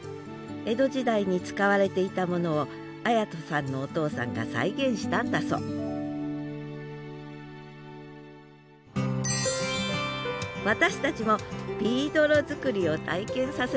江戸時代に使われていたものを礼人さんのお父さんが再現したんだそう私たちもビードロ作りを体験させてもらいました